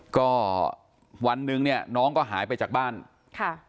ก็วันหนึ่งเนี่ยน้องก็หายไปจากบ้านค่ะ